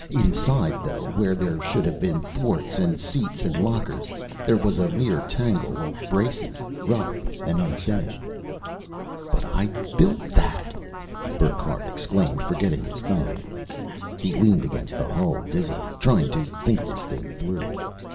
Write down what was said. Inside, though, where there should have been thwarts and seats and lockers, there was a mere tangle of braces, rough and unfinished. "But I built that!" Burckhardt exclaimed, forgetting his thumb. He leaned against the hull dizzily, trying to think this thing through.